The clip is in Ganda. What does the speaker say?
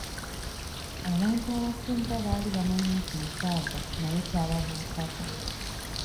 Abantu abasinga baali bamanyi nti nsaaga naye kyababuukako.